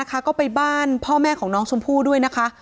ก็ไปบ้านพ่อแม่ของน้องชมพู่ด้วยนะคะ